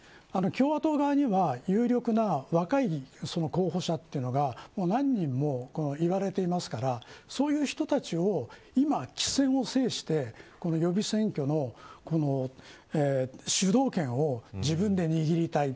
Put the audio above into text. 共和党側には有力な若い候補者が何人もいますからそういう人たちを今、予備選を制して選挙の主導権を自分で握りたい。